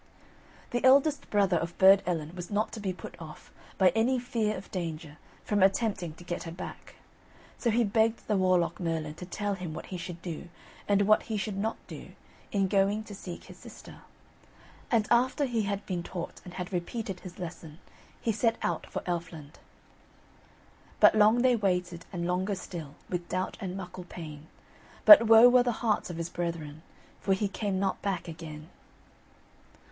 The eldest brother of Burd Ellen was not to be put off, by any fear of danger, from attempting to get her back, so he begged the Warlock Merlin to tell him what he should do, and what he should not do, in going to seek his sister. And after he had been taught, and had repeated his lesson, he set out for Elfland. But long they waited, and longer still, With doubt and muckle pain, But woe were the hearts of his brethren, For he came not back again.